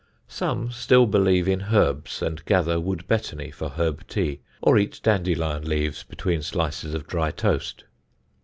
Some still believe in herbs, and gather wood betony for herb tea, or eat dandelion leaves between slices of dry toast.